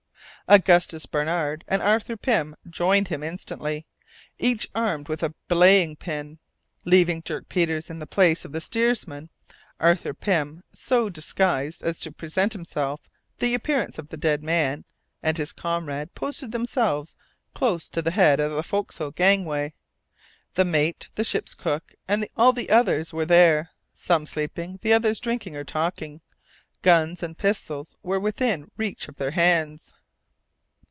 Augustus Barnard and Arthur Pym joined him instantly, each armed with a belaying pin. Leaving Dirk Peters in the place of the steersman, Arthur Pym, so disguised as to present the appearance of the dead man, and his comrade, posted themselves close to the head of the forecastle gangway. The mate, the ship's cook, all the others were there, some sleeping, the others drinking or talking; guns and pistols were within reach of their hands.